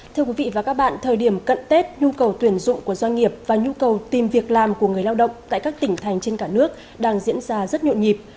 thưa quý vị và các bạn thời điểm cận tết nhu cầu tuyển dụng của doanh nghiệp và nhu cầu tìm việc làm của người lao động tại các tỉnh thành trên cả nước đang diễn ra rất nhộn nhịp